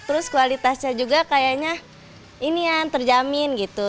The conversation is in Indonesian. terus kualitasnya juga kayaknya ini yang terjamin gitu